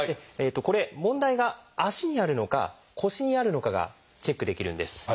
これ問題が足にあるのか腰にあるのかがチェックできるんです。